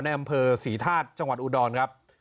อำเภอศรีธาตุจังหวัดอุดรครับ